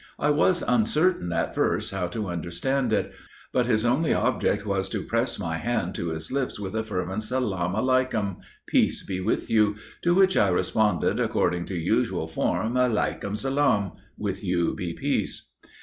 I was uncertain at first how to understand it; but his only object was to press my hand to his lips with a fervent 'salam aleikum' (Peace be with you,) to which I responded, according to usual form, 'aleikum salam,' (with you be peace.)